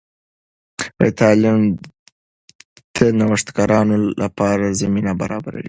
تعلیم د نوښتګرانو لپاره زمینه برابروي.